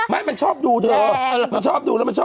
ว่าเขาเป็นเทรนเนอร์ไง